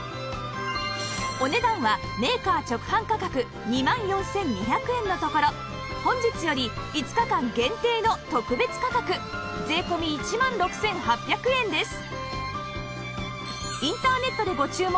お値段はメーカー直販価格２万４２００円のところ本日より５日間限定の特別価格税込１万６８００円です